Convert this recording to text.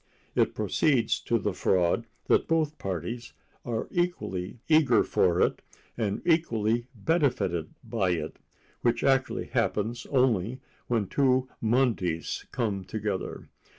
It proceeds to the fraud that both parties are equally eager for it and equally benefited by it—which actually happens only when two Mondays come together.